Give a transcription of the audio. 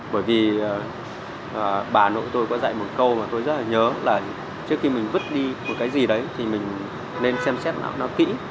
bởi vì bà nội tôi có dạy một câu mà tôi rất là nhớ là trước khi mình vứt đi một cái gì đấy thì mình nên xem xét nó kỹ